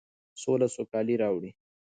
سوله سوکالي راوړي.